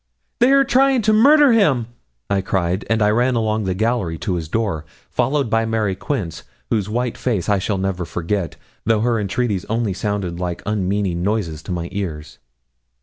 'They are trying to murder him!' I cried, and I ran along the gallery to his door, followed by Mary Quince, whose white face I shall never forget, though her entreaties only sounded like unmeaning noises in my ears.